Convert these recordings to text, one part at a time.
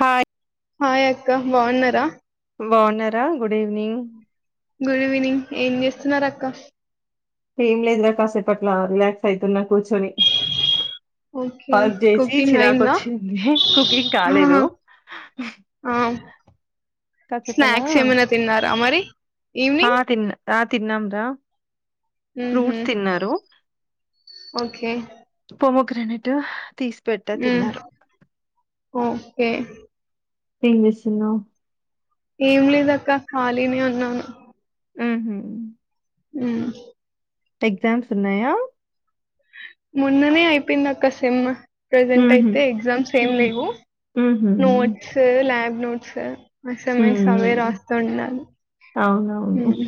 Hi hi అక్క బావున్నారా? బావున్నారా గుడ్ ఈవనింగ్ గుడ్ ఈవెనింగ్ ఏం చేస్తున్నారు అక్క? ఏం లేదురా కాసేపుట్లా రిలాక్స్ అయితున్నా కూర్చొని ఓకే వర్క్ చేసి కుకింగ్ అయింద చిరాకొచ్చింది కుకింగ్ హ్హా కాలేదు ఆ కాసేపలా స్నాక్స్ ఏమైనా తిన్నారా మరి ఆ ఈవినింగ్ తిన్న ఆ తిన్నాంరా మ్హూ. ఫ్రూట్స్ తిన్నారు ఓకే పూవ్వు క్రెనిట్ తీస్ మ్ ఓకే ఎం చేస్సున్నావ్? ఏం లేద అక్క ఖాళీనే ఉన్నాను. ఉహ్ ఆ ఎగ్జామ్స్ ఉన్నాయా? మోన్ననే అయిపోయింది అక్క సిమ్ ప్రజెంట్ ఊహూ అయితే ఎగ్జామ్స్ ఏం ఊహూ లేవు ఊహూ నోట్స్, ల్యాబ్ నోట్స్ అసిన్మెంట్స్ ఊహూ అవే రాస్తూన్న అవునవును ఉహ్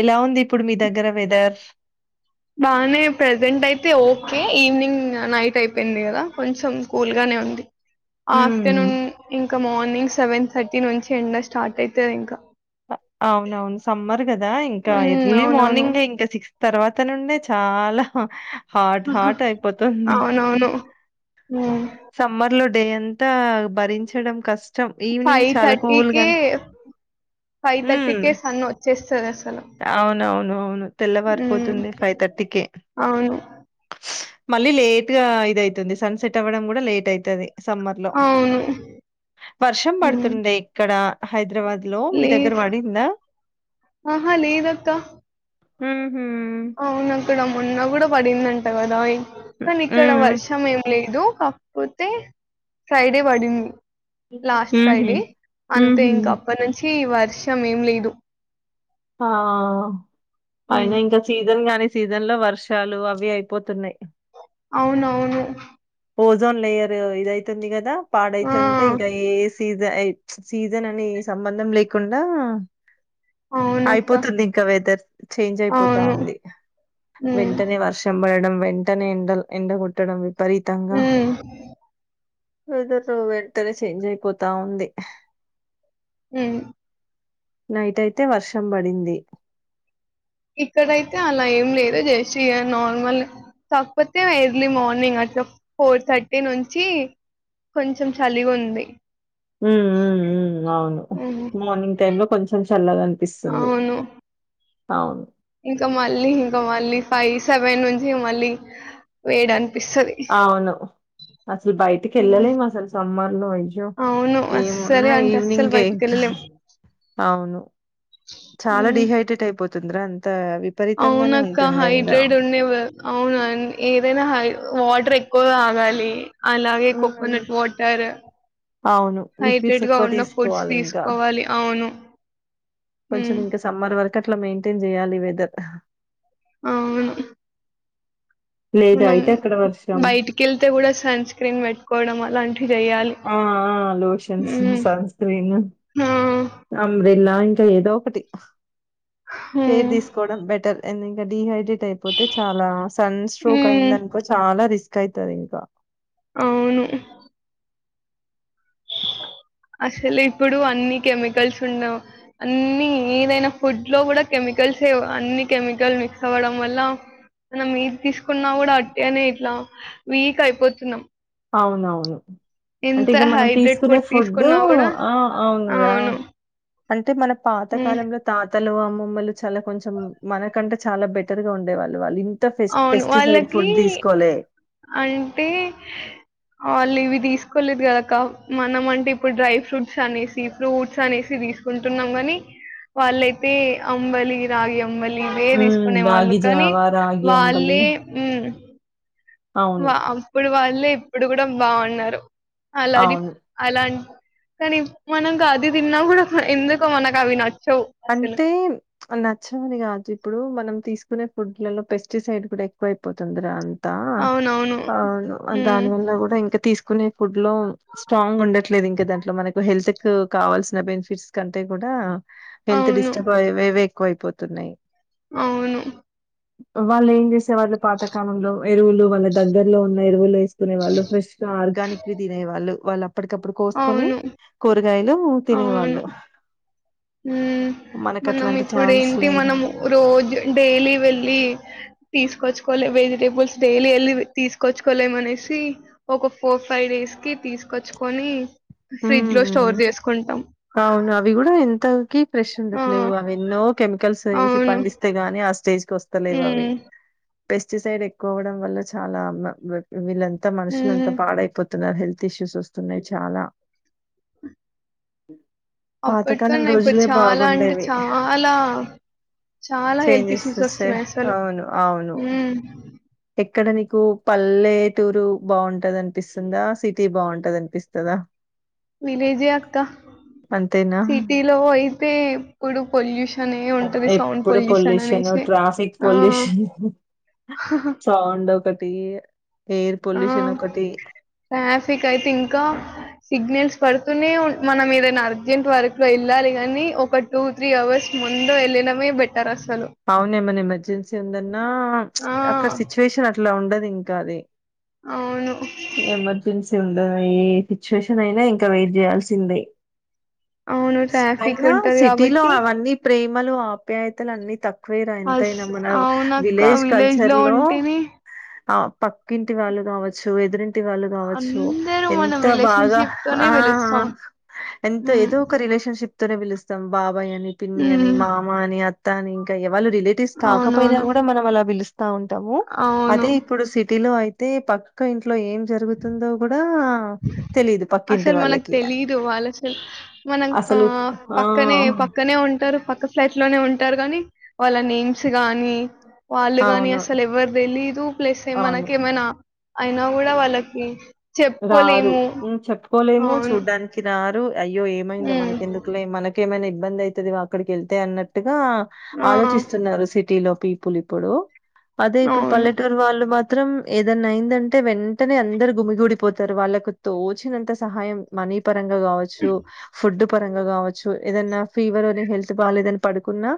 ఎలా ఉంది ఇప్పుడు మీ దగ్గర వెదర్స్? బానే ప్రజెంట్ అయితే ఓకే, ఈవినింగ్ నైట్ అయిపోయింది కదా కొంచెం కూల్ గా నే ఉంది మ్మ్ ఆఫ్టర్నూన్ ఇంకా మార్నింగ్ సెవెన్ థర్టీ నుంచి ఎండ స్టార్ట్ అయితది ఇంకా. అవునవును సమ్మర్ కదా ఇంకా ఉమ్ ఎర్లీ అవునవును మార్నింగ్ ఇంకా సిక్స్ తర్వాత నుండే చాలా హాట్ హాట్ అయిపోతుంది అవునవును ఉమ్ సమ్మర్ లో డే అంతా భరించడం కాస్ ఫైవ్ థర్టీకే ఫైవ్ హ్మ్. థర్టీకే సన్ వచ్చేస్తది అసలు అవునవును అవును ఉమ్ తెల్లవారిపోతుంది ఫైవ్ థర్టీకే అవును మళ్ళీ లేట్ గా ఇద అయితుంది సన్ సెట్ అవ్వడం కూడా లేట్ అయితది సమ్మర్ లో అవును వర్షం ఉమ్ పడుతుండే ఇక్కడ హైద రాబాద్ లో మీ దగ్గర పడిందా హా లేదక్క ఉమ్ అవున అక్కడ మొన్న కూడా పడిందంట కదా ఎ హ్మ్. కానీ ఇక్కడ హ్మ్. వర్షం ఏం లే దు కాకపోతే ఫ్రైడే పడింది లాస్ట్ హుహు. ఫ్రైడే అంతే హుహు. ఇంక అప్పటి నుంచి వర్షం ఏం లేదు ఆ ఉమ్ అయిన ఇంకా సీజన్ గాని సీజన్ లో వర్షాలు అవి అయిపోతున్నాయి అవునవును ఓజోన్ లేయర్ ఇదైతుంది కదా ఆ పాడైతుంటే ఇంకా ఏ సీజ జ అయి సీజన్ అని సంబంధం లేకుండా అవునక్క అయిపోతుంది ఇంకా వెదర్ చేంజ్ అయిపోతా అవును ఉంది ఉమ్ వెంటనే వర్షం పడడం వెంటనే ఎండల్ ఎండగొట్టడం విపరీతంగా ఉమ్ వెదరు వెంటనే చేంజ్ అయిపోతా ఉంది ఉ నైట్ అయితే వర్షం పడింది ఇక్కడైతే అలా ఏం లేదు జస్ట్ ఇక నార్మల్ కాకపోతే ఎర్లీ మార్నింగ్ అట్లా ఫోర్ థర్టీ నుంచి కొంచెం చలిగుంది ఉ ఉ ఊ అవును ఉమ్ మార్నింగ్ టైమ్ లో కొంచెం చల్లదనిపిస్తుంది అవును అవును ఇంకా మళ్ళీ ఇంకా మళ్ళీ ఫైవ్ సెవెన్ నుంచి మళ్ళీ వేయడాను ఇస్తది అవును అసలు బయటికి వెళ్ళలేము అసలు సమ్మర్లో అయ్యో అవును. ఏమున్నా ఈవినింగ్ ఏ ఇంకా ఆం అవును చాలా డిహైడ్రేట్ అయిపోతుందిరా అంత అవున విపరీతంగానే అక్క ఉంటుంది ఎండ హైడ్రేడ్ ఉండేవి అవున ఆన్ ఏదైనా హై వాటర్ ఎ ఎక్కువ తగాలి అలాగే ఉమ్ కోకోనట్ వాటర్ అవును హైట్ లిక్విడ్స్ రేట్ గా ఎక్కువ ఉన్న ఫుడ్స్ తీసుకోవాలి ఇంకా తీసుకోవాలి అవును కొంచెం హ్మ్. ఇంకా సమ్మర్ వరకు అట్లా మెయింటెన్ చేయాలి వెదర్ అవును లేదా మనం అయితే అక్కడ వర్షం బయటికి వెళ్తే కూడా సన్ స్క్రీన్ పెట్టుకోవడం అలాంటి ఆ ఆ లోషన్స్ హ్మ్. సన్స్క్రీన్ ఆ! అంబ్రిల్లా అంటే ఇందో ఒకటి కేర్ హ్మ్. తీసుకోవడం బెటర్ అండ్ ఇంకా డీహైడ్రేట్ ట్ అయిపోతే చాలా సన్ స్ట్రోక్ అయింద హ్మ్. అనుకో చాలా రిస్క్ అయితారు ఇంకా అవును ఏ అసలు ఇప్పుడు అన్ని కెమికల్స్ ఉండవు అన్ని ఏదైనా ఫుడ్ లో కూడా కెమి కల్ సే అన్ని కెమికల్ మిక్స్ అవ్వడం వల్ల మనం మీది తీసుకున్నా కూడా అట్టనే ఇట్లా వీక్ అయిపోతున్నాం అవునవును అంటే ఎంత ఇక మనం హైడ్రేట్ తీసుకునే ఫుడ్ ఫుడ్డు తీసుకున్నా కూడా ఆ అవునురా అవును అంటే మన పాత ఉమ్ కాలంలో తాత్ త్తలు అమ్మమ్మలు చాలా కొంచెం మనకంటే చాలా బెటర్ గా ఉండేవాళ్ళు వాళ్ళు ఇన్ అవును వాళ్ళకి అంటే ఆల్ ఇవి తీసుకోలేదు కదక్క మనం అంటే ఇప్పుడు డ్రై ఫ్రూట్స్ అనేసి ఫ్రూట్స్ అనేసి తీసుకుంటున్నామని వాళ్ళయితే అంబలి రాగి ఆవ్ అంబలి ఇవే హ్మ్. తీసుకునే వాళ్ళు రాగి కానీ జావా, రాగి అంబలి. వాళ్ళే మ్మ్ అవును. వా అప్పుడు వాళ్ ళ్ళే ఇప్పుడు కూడా బాగున్నారు అలాగే అవును. అలాంట్ కానీ మనం గ అది తిన్నా కూడా ఎందుకు మనకు అవి నచ్ అంటే నచ్చంది కాదు ఇప్పుడు మనం తీసుకున్ కునే ఫుడ్లలో పెస్టిసైడ్ కూడా ఎక్కువ అయిపోతుందిరాన్ అవునవును ఆ దాని మ్మ్ వల్ల కూడా ఇంకా తీసుకునే ఫుడ్ లో స్ట్రాంగ్ ఉండట్లే లేదు ఇంకా దాంట్లో మనకు హెల్త్ కు కావాల్సిన బెనిఫిట్స్ కంటే కూడా హెల్త్ అవును డిస్టర్బ్ అవేవే ఎక్కువ అయిపోతున్నాయి అవును వాళ్ళు ఏంచేసే వాళ్ళు పాతకాలంలో ఎరువులు వాళ్ళ దగ్గరలో ఉన్న ఎరువులు వేసుకునే వాళ్ళు ఫ్రెష్ గా ఆర్గానిక్ వి తినే వాళ్ళు వాళ్ళ అప్పటికప్పుడు కోసుకొని అవును కూరగాయలు తినేవాళ్ళు మ్మ్ మనం మనకట్లాంటి ఇప్పుడు ఛాన్స్ ఏంటి లేదు. మనం రోజు డైలీ వెళ్లిి తీసుకొచ్ కొల్ వెజిటేబుల్స్ డైలీ వెళ్ళి తీసుకొచ్చుకోలేమ అనేసి ఒక ఫోర్ ఫైవ్ డేస్ కి తీస్ సుకొచ్చుకొని ఫ్రిడ్జ్ హ్మ్. లో హ్మ్. స్టోర్ చేసుకుంటాం అంతకి ఫ్రెష్ ఆ ఉండట్లేవు అవి ఎన్నో కెమికల్స్ వేసి అవును పండిస్తే గాని అస్ వస్తలే అవి హ్మ్ పెస్టిసైడ్ ఎక్కువ అవడం వల్ల చాలా వి విలన్ అంత మనుషులు అంతా హ్మ్ పాడైపోతున్నారు హెల్త్ ఇష్యూస్ వస్తున్నాయి చాలా మ్మ్ పాతకాలం అప్పటికన్నా ఇప్పుడు రోజులే చాలా అంటే బాగుండేవి చాలా చాలా హెల్త్ చేంజెస్ ఇష్యూస్ వచ్చాయి వస్తున్నాయి అసలు అవును అవును హ్మ్ ఎక్కడ నీకు పల్లె టూరు బాగుంటది అనిపిస్తుందా సిటీ బాగుంటది అనిపిస్తదా విలేజే అక్క అంతేనా? సిటీ లో అయితే ఎప్పుడు పొల్యూషనే ఉంటది సౌండ్ పొల్యూషననే ట్రాఫక్ పొల్యూషన్ హా చావండి ఒకటి ఎయిర్ ఆ పొల్యూషన్ ఒకటి. ట్రాఫిక్ అయితే ఇంకా సిగ్నల్స్ పడుత్ కునే మనం ఏదైనా అర్జెంట్ వర్క్ వెళ్ళాలి కానీ ఒక టూ త్రీ అవర్స్ ముందు వెళ్ళిడమే నే బెటర్ అస్ అవును ఏమన్నా ఎమర్జెన్సీ ఉందన్నా ఆ అక్కడ సిచ్యువేషన్ అట్లా ఉండదు ఇంకా అది అవును ఎమర్జెన్సీ ఉంది ఆ ఏ సిచ్యుయేషన్ అయినా ఇంకా వెయిట్ చేయాల్సిందే అవును ట్రాఫిక్ అయినా ఉంటది సిటీలో కాబట్టి అవన్నీ ప్రేమలు ఆప్యాయతలు అన్ని తక్కు తక్కువేరా అస్ ఎంతయినా మన అవునక్క విలేజ్ కల్చర్ లో ఉంటేనే ఆ పక్కింటి వాళ్ళు కావచ్చు ఎదురింటి టి వాళ్ళు కావచ్చు అందరూ మనం ఎంత బాగా రిలేషన్షిప్ తోనే ఆ ఆ వెలుస్తాం ఎంతో ఉమ్ ఏదో ఒక రిలేషన్షిప్ తోనే పిలుస్తాం బాబాయ్ అని పిన్ని అని ఉమ్ మామ అని అత్తా అని వాళ్ళు రిలేటివ్స్ కాకపోయినా అవునవును కూడా మనం అలా పిలుస్తా ఉంటాము అదే అవును ఇప్పుడు సిటీలో అయిత్ అయితే పక్క ఇంట్లో ఏం జరుగుతుందో కూడా తెలీదు పక్కింటి అసలు మనకు వాళ్ళకి తెలీదు వాళ్ళు అసలు మనం ఆ అసలు ఆ పక్కనే పక్కనే ఉంటారు పక్క స్లైట్ లోనే ఉంటారు గాని ని వాళ్ళ నేమ్స్ కానీ వాళ్ళు గాని అవును అసలు ఎవరు తెలిద్ ప్లస్ అవును మనకి ఏమయినా కూడా వాళ్ళకి చెప్ రారు మ్మ్ చెప్పుకోలేము చూడ్డానికి రారు అయ్యో ఏమైందో హ్మ్. మనకెందుకులే మనకేమైనా ఇబ్బంది అయితది అక్కడికి వెళ్తే అన్నట్టు ఆ! ఆలోచిస్తున్నారు. సిటీ లో పీపుల్ ఇప్పుడు అదే ఇప్పుడు అవును. పల్లెటూరు వాళ్ళు మాత్రం ఏదన్నా అయిందంటే వెంటనే అందరు గుమిగుడి. వాళ్ళ తోచినంత సాయం మనీ పరంగా కావచ్చు ఫుడ్ పరంగా కావచ్చు ఏదనా ఫీవర్ అనే హెల్త్ బాలేదని పడుకున్నా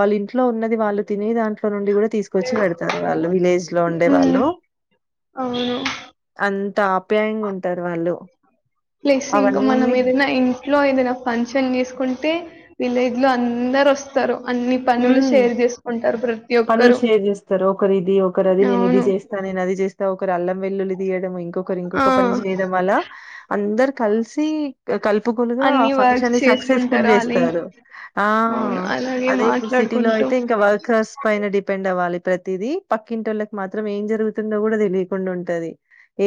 వాళ్ళు ఇంట్లో ఉన్నది వాళ్ళు తిన దినేతనట్లో నుండి కూడా తీసుకొచ్చి పెడతారు వాళ్ళు విలేజ్ లో ఉండే హ్మ్. వాళ్ళు అవును. ఆన్ త ఆప్యాయంగా ఉంటరు వాళ్ళు ప్లస్ ఇంకా మనం అవన్నీ ఏదైనా ఇంట్లో ఏదైనా ఫంక్షన్ చేసుకు కుంటే విలేజ్ లో అందరు వస్తారు. పనులు ఒక్కరు. షేర్ చేస్తారు ఒకరు ఇది ఒకరు అది నేను ఇది అవును. చేస్తాను. నేను అది చేస్తా ఒక అల్లం వెల్లులి తీయడం ఇంకా ఇంకొకరు ఇంకొక పని ఆ! చేయడం వల్ల అందరు కలిసి కలుపుకోలుగా ఆ అన్ని వర్క్స్ ఫంక్షన్ సక్సెస్ఫుల్ చేసుకుంటారు అలే చేస్తారు ఆ అవును అలాగే అదే ఇప్పుడు సిటీలో మాట్లాడుకుంటూ అయితే ఇంకా వర్కర్స్ పైన డిపెండ్ అవ్వాలి. ప్రతిదీ పక్కింటిళ్ళకి మాత్రం ఏం జరుగుతుందో కూడా తెలియకుండా ఉంటది.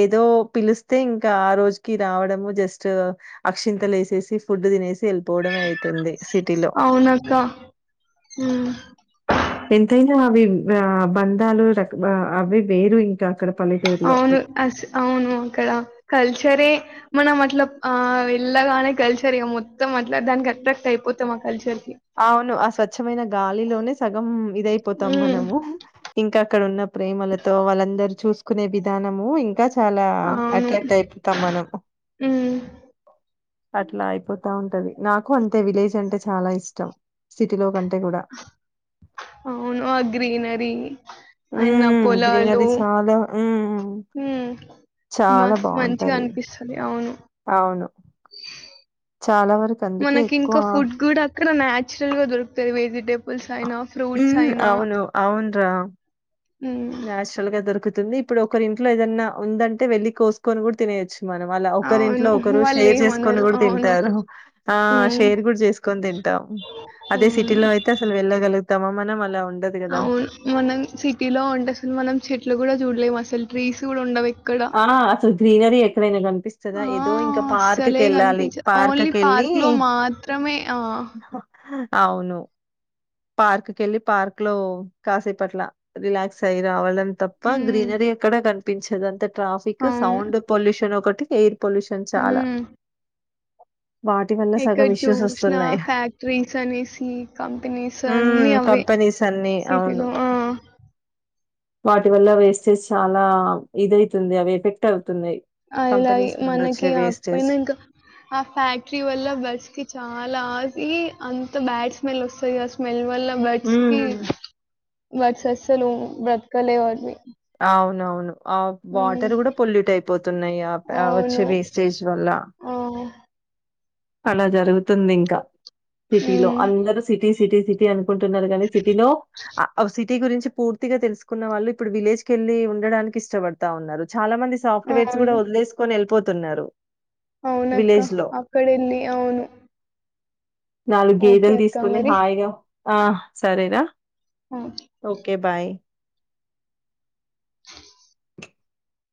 ఏదో పిలిస్తే ఇంకా ఆ రోజుకి రావడము జస్ట్ అక్షింతలు వేసేసి ఫుడ్ తినేసి వేళ్ళిపోవడం అయితుంది. సిటీలో ఊ ఎంతైనా అవి ఆ బంధాలు రక అవి వేరు ఇంకా అక్కడ పల్లెటూరులో. అవును అస్ అవును అక్కడ కల్చరే మనం అట్ల ఆ వెళ్లగానే కల్చర్ ఇక మొత్తం అట్లా దానికి అట్రాక్ట్ అయిపోతే మా కల్చర్ కి అవును ఆ స్వచ్ఛమైన గాలిలోనే సగం ఇదయిపోతాం ఉమ్ మనము ఇంకా ఇక్కడ ఉన్న ప్రేమలతో వాళ్ళందరుూ చూసుకునే విధానము ఇంకా చాలా అవును అట్రాక్ట్ అయిపోతాం మనం ఉమ్ అట్లా అయిపోతా ఉంటది. నాకు అంతే విలేజ్ అంటే చాలా ఇష్టం సిటీలో కంటే. కూడా. అవును గ్రీనరీ ఉ అండ్ గ్రీనరి చాలా ఊ హ మ మంచిగా బావుంటది. అనిపిస్తది అవును అవును చాలా వరకు అందుకే మనకి ఎక్కువ ఇంకా ఫుడ్ కూడా అక్కడ నాచురల్ గా దొరుకుతంది వెజిటేబుల్స్ అయినా ఉ ఫ్రూట్స్ అయినా అవును అవునురా హ్మ్. నాచురల్ గా దొరుకుతుంది. ఇప్పుడు ఒకరి ఇంట్లో ఏదన్నా ఉందంటే వెళ్లి కోసుకొని కూడా తినేయొచ్చు మనం అలా ఒకరి అవును. ఇంట్లో ఒకరు షేర్ చేసుకొని వాళ్ళేమనరు. కూడా అవును. తింటారు. ఆ హ్మ్. షేర్ కూడా చేసుకొని తింటారు. అదే సిటీలో అవును. అయితే అసలు వెళ్లగలుగుతామా మనం అ అవును మనం సిటీలో ఉంటే అసలు మనం చెట్లు కూడా చూడలేము అసలు ట్రీస్ కూడా ఉండ వక్ ఆ అసలు గ్రీనరీ ఎక్కడైనా కనిపిస్తుందా ఆ! ఏదో ఇంకా పార్క్కి అస్సలే వెళ్ళాలి గనిపించదు. ఓన్లీ పార్క్కి వెళ్ళి పార్క్‌లో మాత్రమే ఆ! అవును పార్క్ కెళ్ళి పార్క్ లో కాసేపట్ల రిలాక్స్ అయి రావాలని తప్ప హ్మ్. గ్రీనరీ ఎక్కడ కనిపించదు అంత ట్రాఫిక్ అవును. సౌండ్ పొల్యూషన్ ఒకటి ఎయిర్ పొల్యూషన్ చాలా వాటి వల్ల సగం ఇక్కడ ఇష్యూస్ చూసిన వస్తున్నాయి. ఫ్యాక్టరీస్ అనేసి కంపెనీస్ అన్నీ హ్మ్. అవి కంపెనీస్ అన్నీ అవును. సీటీలో ఆ వాటి వల్ల వేస్తే చాలా ఇదైతుంది అవి ఎఫెక్ట్ అవు ఆ ఇలా ఈ మనకి వేస్టేజ్. ఆగిపోయినా ఇంకా ఆ ఫ్యాక్టరీ వల్ల బస్ కి చా అలా ఆగి అంత బ్యాడ్ స్మెల్ వస్తాయి ఆ స్మెల్ వల్ల బర్డ్స్ కి హ్మ్. బర్డ్స్ అస్సలు బ్రతకలేవవి అవునవును. ఆ వాటర్ కూడా పొల్యూట్ అయిపోతున్నాయి ఆ ఆ వచ్చే అవును. వేస్టేజ్ వల్ల ఆ! అలా జరుగుతుంది ఇంకా సిటీలో హ్మ్. అందరు సిటీ సిటీ సిటీ అని ఉంటున్నారు కానీ సిటీలో సిటీ గురించి పూర్తిగా తెలుసుకున్న వాళ్ళు ఇప్పుడు విలేజ్ కెళ్ళి ఉండడానికి ఇష్టపడతా ఉన్నారు చాలా మంది సాఫ్ట్వేర్స్ కూడా అవును. వదిలేసుకొని వెళ్ళిపోతున్నారు అవునక్క అక్కడెళ్లి అవును నాలుగు ఓకే గేదెలు అక్క తీసుకుని మరి. హాయిగా ఆ సరేరా ఆ! Okay bye [inaudible]